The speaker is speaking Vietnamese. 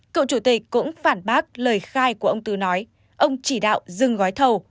cựu chủ tịch cũng phản bác lời khai của ông tứ nói ông chỉ đạo dừng gói thầu